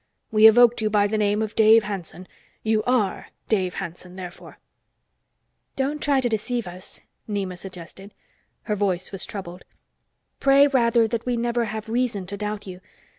We evoked you by the name of Dave Hanson. You are Dave Hanson, therefore." "Don't try to deceive us," Nema suggested. Her voice was troubled. "Pray rather that we never have reason to doubt you.